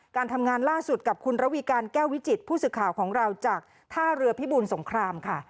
การทำงานล่าสุดกับคุณระวีการแก้ววิจิตผู้สื่อข่าวของเราจากท่าเรือพิบูลสงครามค่ะ